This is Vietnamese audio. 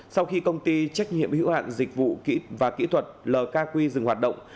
sau khi công ty trách nhiệm hạng dịch vụ và kỹ thuật lkq dừng hoạt động